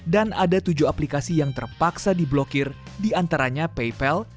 dan ada tujuh aplikasi yang terpaksa diblokir di antaranya paypal